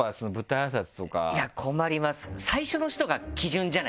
いや困ります結局。